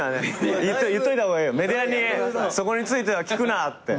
そこについては聞くなって。